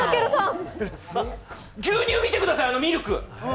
牛乳見てください、ミルク。